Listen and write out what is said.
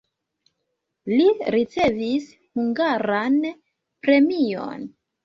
Li ricevis hungaran premion.